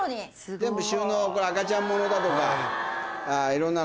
全部収納が赤ちゃん物だとかいろんなの。